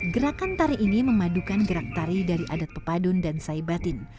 gerakan tari ini memadukan gerak tari dari adat pepadun dan saibatin